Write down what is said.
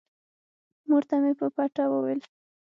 مور ته مې په پټه وويل.